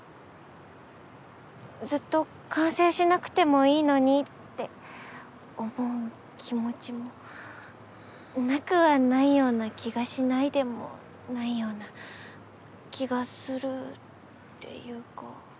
ずっと完成しなくてもいいのにって思う気持ちもなくはないような気がしないでもないような気がするっていうか。